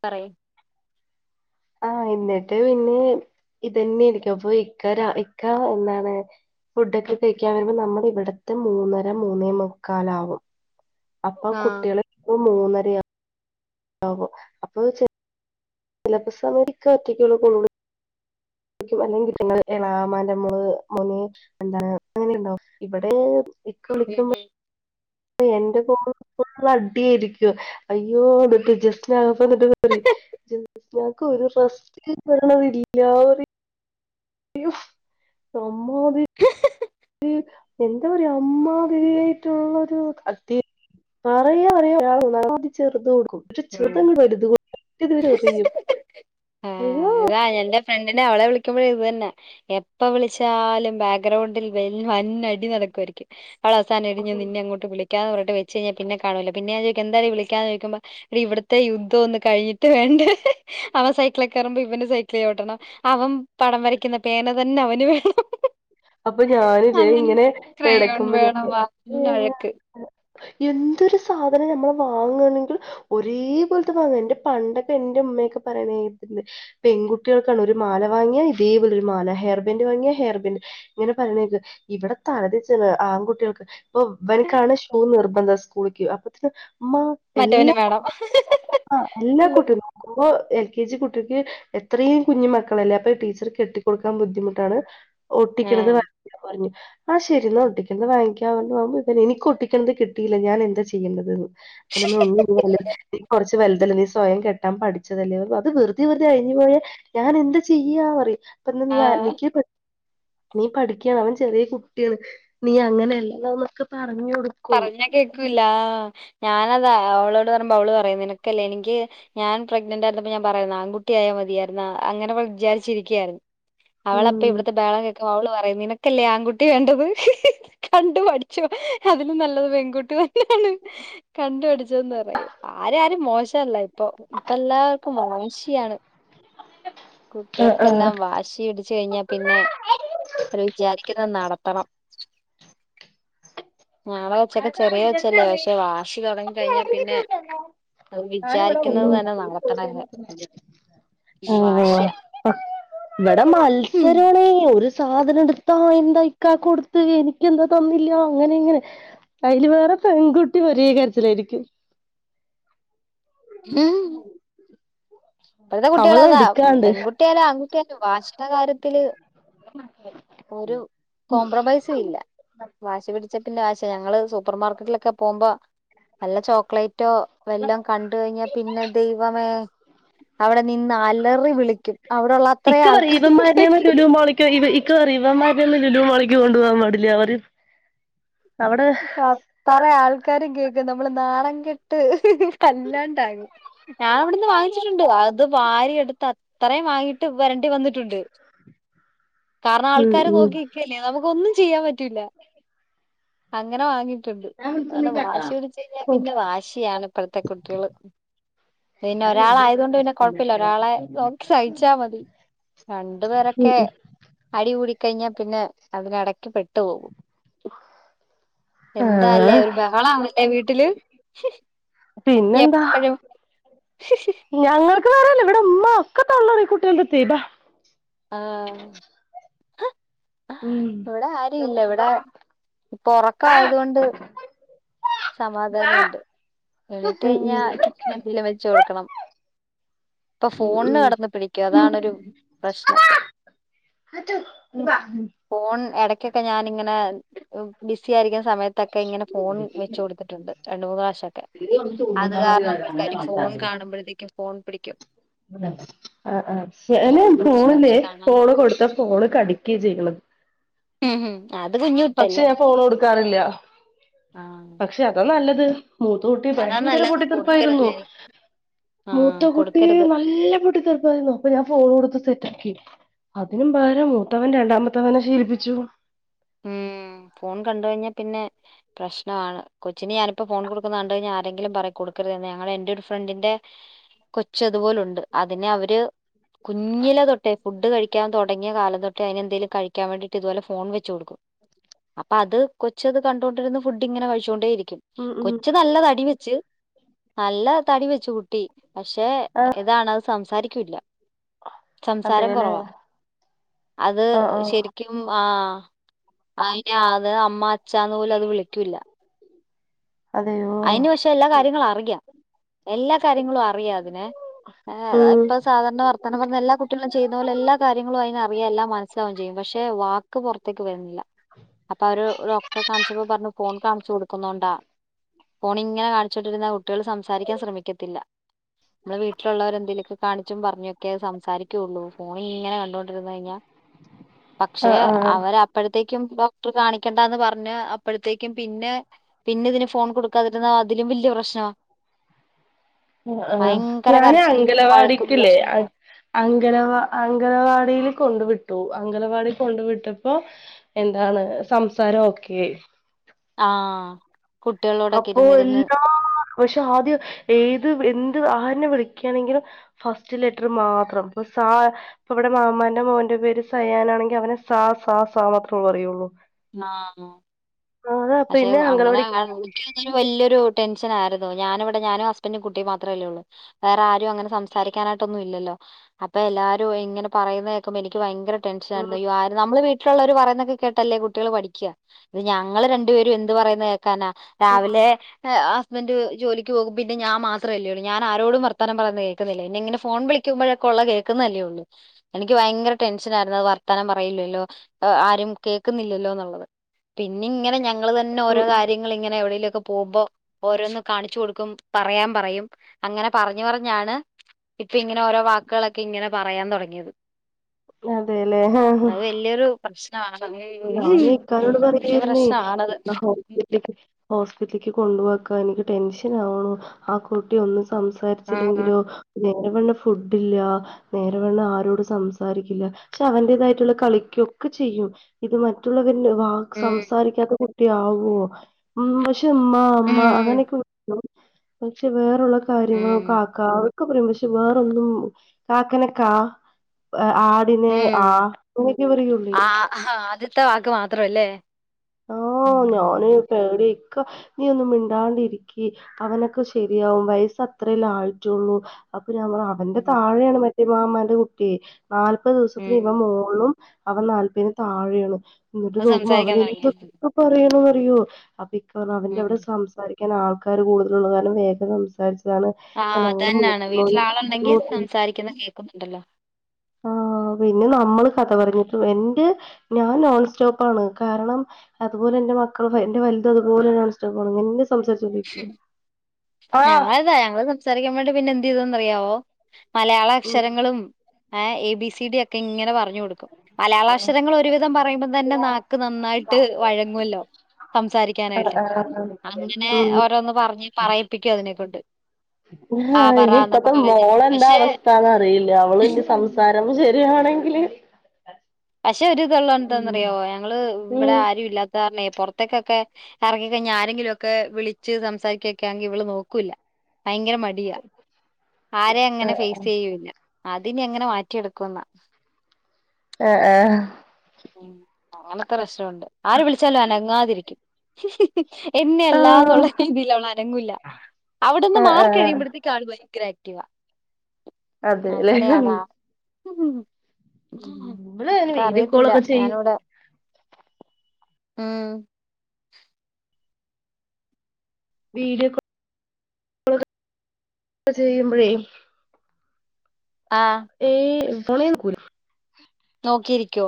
പറ ആ എന്നിട്ട് പിന്നെ ഇതന്നെയ എനിക്ക് അപ്പൊ ഇക്ക ഇക്ക എന്താണ് ഫുഡ് ഒക്കെ കഴിക്കാൻ വരുമ്പോ നമ്മുടെ ഇവിടത്തെ മൂന്നര മൂന്നേ മുക്കാല് ആവും. അപ്പൊ ആഹ് കുട്ടികളെ മൂന്നര ആവും അപ്പൊ സിലബസ് അവർക്ക് ഒറ്റക്കള്ള കൊ അല്ലെങ്കി നിങ്ങള് എളാമാന്റെ മോള്അങ്ങനെണ്ടാവും ഇവിടെ ഇക്ക വിളിക്കുമ്പോ എന്റെ പോ ള് അടിയ്രിക്കുംഅയ്യോ [unintelligible] ക്കൊ [unintelligible] റസ്റ്റ്ന്ന് പറിണത് ഇല്ലാ തി അയ്യോ റൊമ്മാതി എന്താ പറയാ അമ്മാതിരിയ്‌ട്ടുള്ളരു അടി പറയ പറയാ ചെറ് തൊ ഉം കുട്ടിന്റെ [unintelligible] രുതു സത്യത്തിൽ [unintelligible] റിയും അയ്യോ ഫ്രണ്ടി നെ അവളെ വിളിക്കുമ്പോഴും ഇത് തന്നെ എപ്പം വിളിച്ചാലും ബാക്ക്ഗ്രൗണ്ടിൽ വെൽ വൻ അടിനട [unintelligible] രികേ അവൾ അവസാനം ടി ഞ് നിന്നെങ്ങോട്ട് വിളിക്കാന്ന് പറഞ്ഞട്ട് വെച്ച് കയിഞ്ഞാ പിന്നെ കാണൂലാ പിന്നെ ഞാൻ ചോയ്ക്കും എന്താടീവിളിക്കാഞ്ഞേ ചോയിക്കുമ്പോ ഇവിടത്തെ യുദ്ധം ഒന്ന് കഴിഞ്ഞിട്ട് വേണ്ടേ അവൻ സൈക്കിളൊ കെയറുമ്പോ ഇവന് സൈക്കിള് ചൗട്ടണം അവ പടം വരയ്ക്കുന്ന പേന തന്നെ അവന് വേണം അപ്പൊ ഞാനില്ലേ അങ്ങനെ ഇങ്ങനെ ക്രയോൺ എടക്കുമ്പോ ഞാൻ വേണം വൻ വഴക്ക് എന്തൊരു സാധനം നമ്മൾ വാങ്ങാണെങ്കിൽ ഒരേപോലത്തെ വാങ്ങാന്റെ പണ്ടൊക്കെ ന്റെ ഉമ്മ കേ പറയുന്നേ കേൾക്കണ്ട് പെൺകുട്ടിയോൾക്കാണ് ഒര് മാല വാങ്ങ്യ ഇതേ പോലെ ഒര് മാല ഹെർബ്ന്റ് വാങ്ങിയ ഹെ ർബന്റ് ഇങ്ങനെ പറി ണേക്ക് ഇവിടെ തല തിര്ച്ചത് ആൺകുട്ടിയേൾക്ക് ഇപ്പൊ ഇവനിക്കാണ് ഷൂ നിർ എന്താ സ്കൂൾക്ക് യേ അപ്പോത്തിന്നും അമ്മ മറ്റവന് എല്ലാ മ വേണം ക്ക ളുംആ എല്ലാ കുട്ടികളും [unintelligible] മ്പോൾ കേ ജി കുട്ടിക്ക് എത്രയും കുഞ്ഞു മക്കളല്ലേ അപ്പൊ ഈ ടീച്ചർ കെട്ടിക്കൊടുക്കാൻ ബുദ്ധിമുട്ടാണ് ഓ ചിലത് [unintelligible] ആഹ് ണ്ടാപറഞ്ഞു ആ ശരി ന്നാ ഒട്ടിക്ക എന്നാ വാങ്ങിക്കാവണ്ട് പോകുമ്പോ ഇതെ എനിക്ക് ഒട്ടിക്കണത് കിട്ടിയില്ല ഞാൻ എന്താ ചെയ്യണ്ടത് ന്ന് പിന്നെ നമ്മ [unintelligible] കുറച്ച് ച്ച് വലുതല്ലേ നീ സ്വയം കെട്ടാൻ പഠിച്ചതല്ലേ അത് വെറുതെ തെ അയ്ന് ങ്ങനെ ഞാനെന്താചെയ്യാ പറിം ഇപ ന്ന് നീ അന ആഹ് [unintelligible] നീ പഠിക്കാണ് അവൻ ചെറിയ കുട്ടിയാണ് നീ അങ്ങനെയല്ലല്ലന്നൊക്കെ പറ പറഞ്ഞാ കേക്കൂലാ ഞാനതാ അവളോട് പറിമ്പോൾ അവള് പറയുംനിനക്കല്ലേ എനിക്ക് ഞാൻ പ്രെഗ്നന്റ് ആരുന്നപ്പോ ഞാൻ പറയുന്നാ ആൺകുട്ടി യായാ മതിയാർന്ന് അങ്ങനെ വിചാരിച്ചിരിക്ക അവളപ്പ ഉം ഇവിടെത്തെ ഇവിടെത്തെ ബഹളം കേക്കുമ്പോ അവള് പ നിനക്കല്ലേ ആൺകുട്ടി വേണ്ടത് കണ്ടു പഠിച്ചോ അതിലും നല്ലത് പെൺകുട്ടി ത ന്നേണ് കണ്ടുപഠിച്ചന്ന് പറയും ആര ആരും മോശല്ല ഇപ്പൊ ഇപ്പ എല്ലാവർക്കും വാശിയാണ് ഉ കുട്ടികൾക്കെല്ലാം വാശി ഇടിച്ച് കഴിഞ്ഞാൽ പിന്നെ അവ വിചാരിക്കുന്ന നട ത്തണം [unintelligible] ഞാന ഇവിടെ വാശി തുടങ്ങി കഴിഞ്ഞാ പിന്നെ വിചാരിക്കുന്നത് തന്നെ നടത്തണംന്ന് [unintelligible] ഓ ഒരു ഓ വാശിയാ ഇവിടെ മത്സരാണ് സാധനം എടുത്താ അയന്തയ്ക്കാ കൊടുത്ത് എനിക്ക എന്താ തന്നില്ല അങ്ങനെ ഇങ്ങനെ അതിൽ വേറെ പെൺകുട്ടി പീകരിച്ചിലായിരിക്കും ഹം ഇപ്പോഴത്തെ കുട്ടികൾ അവളെ അതാ എടുക്കാണ്ട് പെൺകുട്ട്യാ യാ ആൺകുട്ടിയാലോ വാഷ്ട കാര്യത്തില് ഒരു കോംപ്രമൈസ ഇല്ല വാശി പിടി ചറ്റിൻ്റെ ആശ ഞങ്ങള് സൂപ്പർ മാർക്കറ്റിലൊക്കെ പോകുമ്പോ നല്ല ചോക്ലേറ്റ് റ്റോ വല്ലം കണ്ട കഴിഞ്ഞാ പിന്നെ ദൈവമേ അവിടെ നിന്ന് അലറി വിളിക്കും അവിടെള്ള അത്രയും ഇക്ക പറ ആൾക്കാരും ഇവന്മാര്നെ ന്നു കേക്കും ലുലുമാളിൽക് ഒയ്‌വ് ഇക്ക പറയു ഇവന്മാരെന്നും ലുലുമാളിക് കൊണ്ടോവാൻ പാടില്ല പറിം ആ പറേ ആൾക്കാരും കേക്ക നമ്മള് നാണംകെട്ട് അല്ലാണ്ടാകും ഞാൻ അവിടുന്ന് വാങ്ങിച്ചിട്ടുണ്ട് അത് വാരി എടുത്ത അ ഇത്ര യും വാങ്ങിട്ട് വരണ്ടി വന്നിട്ടുണ്ട് കാരണം ഉം ആൾക്കാര് ഉം നോക്കിനിക്കല്ലേ നമുക്ക് ഒന്നും ചെയ്യാൻ പറ്റൂല്ല അങ്ങനെ വാങ്ങ ആ വാശി പിടച്ച് കഴിഞ്ഞാ ഉം പിന്നെ വാശിയാണ് ഇപ്പഴത്തെ കുട്ടികള് പിന്നെ ഒരാള ആയത കൊണ്ട് പിന്നെ കൊഴപ്പില്ല ഒരാളെ നോക്കി സഹിച്ചാ മതി രണ്ടു ഉം പേരൊക്കെ ഉം അടി കൂടിക്കഴിഞ്ഞാ പിന്നെ അതിടക്ക് പെട്ടു പോകും എന്താല്ലേ ആഹ് ഒരു ബാഹളാന്നല്ലേ വീട്ടില് പിന്നെന്താ എപ്പഴും ഞങ്ങൾക്ക് വേറെല്ല ഇവിടെ ഉമ്മ ഒക്കെ തള്ള കുട്ടിക തീബാ ആ ഉം ഇവിടെ ആര ഇല്ല ഇവിടെ ഇപ്പൊ ഉറക്ക ആയത കൊണ്ട് സമാധാനം ഉണ്ട് എണീറ്റ് ഉം കഴിഞ്ഞാ ഉം എന്തെങ്കിലും വെച്ച് കൊടുക്കണം ഇപ്പൊ ഉം ഫോണ് ഉം കടന്ന് പിടിക്കും അതാണരു പ്രശ്നം ഫോൺ ഇടക്കൊക്കെ ഞാനിങ്ങനെ ബിസി ആയിരിക്കുന്ന സമയത്തൊക്കെ ഇങ്ങനെ ഫോൺ വെ വ കൊടുത്തിട്ടുണ്ട് രണ്ടണ്ട് മൂന്ന് പ്രാവശ്യം ഒക്കെ അത് കാരണം പക്കാ ഫോൺ കാണുമ്പോഴത്തേക്കും ഫോൺ പിടിക്കും ആ ആ ഫോൺ പിടിച്ച് ഫോണില് പിടിച്ച് കാണാൻ പോള് നോക്കും കൊടുത്ത പോള് കടിക്കുക ചെയ്യണത് ഉം ഉം ഹ അത് കുഞ്ഞു കുട്ടല്ലേ കൊടുക്കാറില്ല ആ പക്ഷെ അതാ നല്ലത് മൂത്ത കൂട്ടി അതാ ഭയങ്കര നല്ലത് കൊടുക്കരുത് പൊട്ടിത്തെറുപ്പായിരുന്നു ഞാൻ. ആ മൂത്ത കുട്ടി കൊടുക്കരുത് നല്ല പൊട്ടി തർപ്പമായിരുന്നു അപ്പൊ ഞാൻ ഫോൺ കൊടുത്ത് സെറ്റ ആക്കി അതിനും വേരെ മൂത്തവൻ രണ്ടാമത്തവനെ ശീലിപ്പിച്ചു ഉം ഫോൺ കണ്ട കഴിഞ്ഞാൽ പിന്നെ പ്രശ്നമാണ് കൊച്ചിന് ഞാനിപ്പോ ഫോൺ കൊടുക്കുന്നത കഴിഞ്ഞാ ആരെങ്കിലും പറ കൊടുക്കരു ഞങ്ങ എന്റെ ഒരു ഫ്രണ്ടിന്റെ കൊച്ച അപലണ്ട് അതിനെ അവര് കുഞ്ഞില തൊട്ടേ ഫുഡ് കഴിക്കൻ തുടങ്ങിയാല തൊട്ട അതിനെന്തേലും കഴാൻ വേണ്ടീട്ട് തുപോലെ ഫോൺെ അപ്പൊ അത് കൊച്ചത് കണ്ടൊണ്ടിരുന്ന ഫുഡ് ഇങ്ങനെ കഴിച്ചൊണ്ടേരിക്കും ഉം ഉം കൊച്ചു നല്ല തടി വെച്ച് നല്ല തടി വെച്ചു കുട്ടി പക്ഷെ ഏതാണ അത് സംസാരിക്കില്ല സംസാരം അതേല്ലേ കുറവാ അത് ആഹ് ആഹ് ശരിക്കും ആ അ അത് അമ്മ അച്ഛാന്ന് പോലും അത് വിളിക്കൂല്ല അതെയോ അതിന് പശെ എല്ലാ കാര്യങ്ങളും അറിയാം എല്ലാ കാര്യങ്ങളും അറിയാം അതിനെ ഉം ഇപ്പ സാധാരണ വർത്തനംഞ്ഞ എല്ലാ കുട്ടികളും ചെയുന്ന പോലെ എല്ലാ കാര്യങ്ങളും അതിന അറിയാം എല്ലാം മനസ്സിലാവുക ചെയ്യും പക്ഷെ പക്ഷെ വാക്ക് പുറത്തേക്ക് വരുന്നില്ല അപ്പൊ അവര് ഡോക്ടറെ കാണിച്ചപ്പോ പറഞ്ഞു ഫോൺ കാണിച്ചു കൊടുക്കുന്നുണ്ടാ ഫോൺ ഇങ്ങനെ കാണിച്ച ച്ചട്ടിരുന്ന കുട്ടികള് സംസാരിക്കാൻ ശ്രമിക്കത്തില്ല നമ്മെ വീട്ടിലുള്ളവരെ എന്തെങ്കലുമൊക്കെ കാണിച്ചും പറഞ്ഞൊക്കെ സംസാരിക്കുള്ളൂ ഫോണ ഇങ്ങനെ കണ്ടോണ്ടിരന്ന് കഴിഞ്ഞാൽ പക്ഷെ ആഹ് ആഹ് അവർ അപ്പോഴത്തേക്കും കാണിക്കണ്ടന്ന് പറഞ്ഞ് അപ്പോഴത്തേക്കും പിന്നെ പിന്നെ ഇതിന് ഫോൺ കൊടുക്കാതിരുന്ന അതിലും വല്യ പ്രശ്ന ആ ഞാന വഴക്കും അംഗലവാടിക്കല്ലേ പ്രശ്നൊക്കെ അങ്കവാ അംഗണവാടിൽ കൊണ്ട വിട്ടു അംഗലവാടി കൊണ്ട വിട്ടപ്പോ എന്താണ് സംസാരം ഒക്കെയ ആ അപ്പോ എല്ലാ പക്ഷെ ആദ്യം ഏത് എന്ത് ആ വിളിയ്ക്കണെങ്കിലും ഫസ്റ്റ് ലെറ്റർ മാത്രം ഇപ്പോ ഇവിടെ മാമൻ്റെ മോൻ്റെ പേര് സ തയ്യാനാണെങ്കിൽ അവനെ സാ സ സാ മാത്രേള്ള അറിയുള്ളൂ ആ പക്ഷെ പിന്നെ അങ്ങനെ അംഗനവാടിക്ക് ആ വല്ൊരു ടെഷ ആായിരുന്നു ഞാനിവിടെ ഞാനും ഹസ്ബൻറും കുട്ടിയ മാത്രേല്ലേ ഉള്ളൂ വേറെ ആരും അങ്ങനെ സംസാരിക്കാനായിട്ട് ഒന്നും ഇല്ലല്ലോ അപ്പൊ എല്ലാരും ഇങ്ങനെയുന്നതക്കുമ്പോ എനിക്ക് ഭയങ്കര ടെൻഷ ഉം ആരുന്നു നമ്മ വീലുള്ളവർ പറയുന്നൊക്കെ കേട്ടല്ലേ കുട്ട കുട്ടികൾ പഠിക്ക ഇത് ഞങ്ങള് രണ്ടു പേരും എന്ത് പറയുന്ന കേക്കാനാ ഉം രാവിലെ. ഹസ്ബൻഡ് ജോലിക്ക് പോകും പിന്ന ഞാൻ മാത്രമല്ലേൂ ഞൻ ആരോടും വർത്താനം പറന്ന് കേൾക്കുന്നില്ല ഇെ ഇങ്ങന ഫോൺ വിളിക്കുമ്പോഴ- ള്ള കേൾക്കുന്നല്ലേയുള്ളൂ. എനിക്ക് വയങ്കര ടെൻഷൻ ആയിരുന്നു. അത് വർത്താനം പറയില്ലല്ലോ. ആരും കേക്കുന്നി ല്ലോ ന്ന്ള്ളത് പിന്നെ ഇങ്ങെനെ ഞങ്ങൾ തന്നെ ഓരോ ഉം കാര്യങ്ങള് ഇങ്ങനെ എവിടേലോ. പൂമ്പോ ഓരോന്ന് കാണിച്ചു കൊടുക്കും. പറയാൻ പറയും. അങ്ങനെ പറഞ്ഞ് പറഞ്ഞാണ് ഇപ്പോ ഇങ്ങനെ ഓരോ വാക്കുകളൊക്കെ ഇങ്ങനെ പറയാൻ തൊടങ്ങിയത് അതേല്ലേ ആ പ്രശ്നാണ് [unintelligible] ഞാനിക്കാനോട് പറയായിരുന്നേ [unintelligible] ഹോസ്പിറ്റലേക്ക് കൊണ്ടു പോക ഇക്ക എനിക്ക് ടെൻഷൻ ആകുണു ആ കുട്ടി ഒന്ന് ആഹ് സംസാരിച്ചില്ലെങ്കിലോ? [unintelligible] നേരെവണ്ണ ഫുഡ് ഇല്ല. നേരെവണ്ണ ആരോടും സംസാരിക്കില്ല. പക്ഷേ അവന്റേതായിട്ടുള്ള കളിക്കൊ ചിയ്യും ഇത് മറ്റുള്ളവര്നെ വാക് ഉം സംസാരിക്കാത്ത കുട്ടിയാവോ ഉം ദ്മ്മാ അമ്മ ഉം അങ്ങനൊക്കെ [inaudible] ക്കും പക്ഷേ വേറുള്ള ഉം കാര്യങ്ങളക്കാ. കാ ഒക്കെ [unintelligible] വേറൊന്നും കാക്കനെ കാ ആടിനെ ഉം ആ അങ്ങനെയൊക്കെ പറയുള്ളേ ഇത്ത വാക്ക് മാത്രല്ലേ ആ ഉം ഞാന് പേടി ഇക്ക നീ ഒന്നും മിണ്ടാണ്ടിരിക്കി അവനൊക്കെ ശര്യാവും. വയസ് അത്രേല്ല ആയിട്ടുള്ളൂ അ ഞമ്മള് ഉം അവന്റെ ഉം താഴെയാണ് മറ്റേ മാമാന്റെ കുട്ട്യേ. നാല്പത് ദിവസത്തിന് ഉം. ഇവൻ മോള്ലും അവൻ നാല്പതിന് താഴെ വീണു എന്നിട്ട് അത് നോക്കുമ്പോ സംസാരിക്കാൻ അവന് തുടങ്ങിയ എന്തോ പറയെന് അറിയോ അഭിക്ക പറഞ്ഞു അവന്റെ അവിടെ ഉം സംസാരിക്ക. ക്കാന് ആൾക്കാര് കൂടുതലുള്ള കാരണം വേഗം സംസാരിചിരിക്കാം ആഹ് താണ് ഞങ്ങടെ അതന്നാണ് വീട്ടിൽ മൂത്തമോന് ആളുണ്ടെങ്കിൽ മൂത്തേ സംസാരിക്കുന്ന കേൾക്കുന്നുണ്ടല്ലോ [unintelligible] ആ പിന്ന നമ്മള് കഥ പറഞ്ഞിട്ട്ള്ള് എന്റെ ഞാൻ നോൺ സ്റ്റോപ്പാണ് കാരണം അതുപോലെന്റെ മക്കൾപ്പ എന്റെ വലുത് അതുപോലെന്നെ നോൺ സ്റ്റോപ്പ്‌ ആണ് ഇങ്ങനെന്നെ ആഹ് ഞങ്ങൾ ഇതാ ഞങ്ങള് സംസാരിക്കാൻ വേണ്ടി പിന്നെ എന്ത് ചെയ്തന്ന് അറിയാവോ മലയാള അക്ഷരങ്ങളും ഏ എ ബി സി ഡി യോക്കെ ഇങ്ങനെ പറഞ്ഞു കൊടുക്കും. മലയാളാക്ഷരങ്ങൾ ഒരുവിധം പറയുമ്പം തന്നെ നാക്ക് നന്നായിട്ട് വഴങ്ങുവല്ലോ? സംസാരിക്കാനായിട്ട് ആ ഏ ഓരോന്ന് പറഞ്ഞ് പറയിപ്പിക്കും അതിനെക്കൊണ്ട് ആ ഇനിയിപ്പത്തെ മോളെന്താ പക്ഷെ അവസ്ഥന്നറിയില്ല. അവള് ഇനി സംസാരം ശരിയാണെ ല് [unintelligible] പക്ഷേ ഒരുത്ള്ളോന്താന്നറിയാവോ ഞങ്ങള് ഉം ഇവ്ടെ ആരും ഇല്ലാത്ത കാരണേ പൊറത്തേക്കൊക്കെ എറങ്ങിക്കഴിഞ്ഞാ ആരെങ്കിലൊക്കെ വിളിച്ച് സംസാരിക്കൊക്കാണങ്കില് ഇവള് നോക്കൂല്ല. ഭയങ്കര മടിയാ. ആരേ അങ്ങനെ ആഹ് ഫേസ്യ്യൂല്ല. അത് ഇനി എങ്ങനെ മാറ്റിയെടുക്കുന്നാ ആ ആ ഉം അങ്ങനത്തെ പ്രശ്നമുണ്ട് ആര് വിളിച്ചാലും അനങ്ങാതിരിക്കും. എന്നെയല്ലാ ആഹ് എന്നുള്ള രീതിയിൽ അവള് അനങ്ങൂല്ല അവിടന്ന് ആഹ് മാറി ആഹ് കഴിയുമ്പോഴത്തേക്ക് ആൾ പോയ് ഗ്രാറ്റീവാ അതേല്ലേ? ഉം ഉം. ഇവള് അങ്ങനെ ഇപ്പ വീഡിയോ അറിയത്തില്ല കോളൊക്കെ ചെയ്യും ഞാനിവിടെ ഉം വീഡിയോ കോ ക്ക ചെയ്യുമ്പഴേ ആ ഏ പണിയൊന്നുടുക്കുല നോക്കിയിരിക്കോ?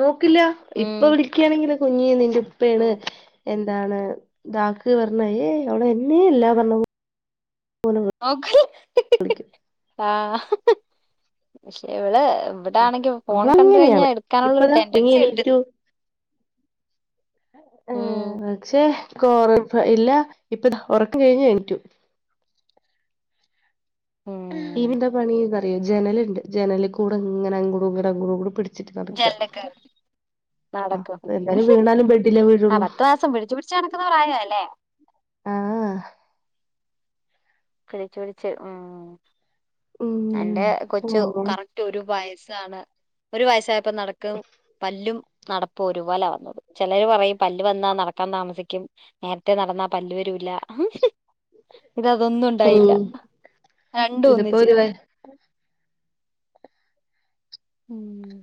നോക്കില്ല ഇപ്പ വിളിക്കയാണെങ്കിൽ കുഞ്ഞി നിന്റെ ഉപ്പയണ് ഉം എ എതാണ്തക്ക് പറഞ്ഞ ഏ അവളെ എന്നെയ ഇല്ലാ പറഞ്ഞ ക്ക ആ പക്ഷെ ഇവിടെ ഇവിടാണെങ്കി ഫോൺ കണ്ട കഴിഞ്ഞാ അവളങ്ങനെയാണ് എടുക്കാനുള്ളരു ഇപ്പതാ ടെൻഡൻസി ഉണ്ട് ആ ഏ ഉം പക്ഷേ കൊറ ഇല്ല ഇപ്പ ഉറക്കം കഴിഞ്ഞ എണീറ്റു ഉം ഈവിട്ടിന്റെ പണി എന്താറിയോ ജനലുണ്ട് ജനലിൽ കൂടെ ഇങ്ങനെ അങ്ങേട ഇങ്ങോട കൂടെ പിടി വച്ചിട്ട് നടക്ക ജനലിൽ കേറി നടക്കും ആ വീഴുള്ളൂ പത്ത് മാസം പിടിച്ചു പിടിച്ച നടക്കുന്ന പറായ അല്ലേ ആ കൈക്ക്പിടിച്ച് ഉ എന്റെ ഉം കൊച്ചു ഉം കറക്റ്റ് ഒരു വായസ് ഒരു വയസ്സായപ്പോ നടക്കും പല്ലും നടപ്പും ഒരുപോല വന്നത് ചിലർ പറയും പല്ല് വന്നാൽ നടക്കാൻ താമസിക്കും നേ രത്തെനടന്നാ പല്ല വരൂല്ല ഇത തൊന്നും ഉണ്ടായില്ല രണ്ട ഇതിപ്പോ ഒന്നിച്ചു ഒരു വയ ഉം